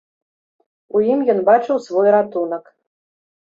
У ім ён бачыў свой ратунак.